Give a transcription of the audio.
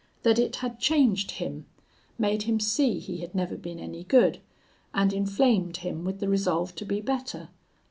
That it had changed him made him see he had never been any good and inflamed him with the resolve to be better.